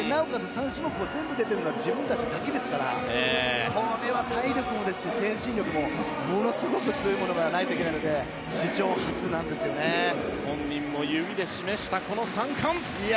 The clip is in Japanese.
３種目全部出ているのは自分たちだけですからこれは体力もですし精神力もものすごく強いものがないといけないので本人も指で示したこの３冠。